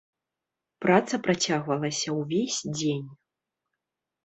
Праца працягвалася ўвесь дзень.